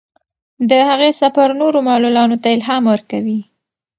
د هغې سفر نورو معلولانو ته الهام ورکوي.